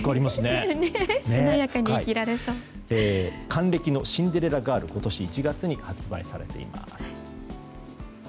「還暦のシンデレラガール」今年１月に発売されています。